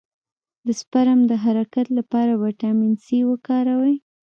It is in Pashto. د سپرم د حرکت لپاره ویټامین سي وکاروئ